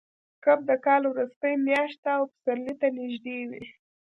کب د کال وروستۍ میاشت ده او پسرلي ته نږدې وي.